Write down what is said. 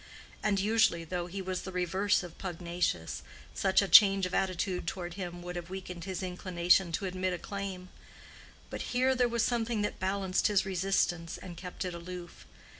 And usually, though he was the reverse of pugnacious, such a change of attitude toward him would have weakened his inclination to admit a claim. But here there was something that balanced his resistance and kept it aloof.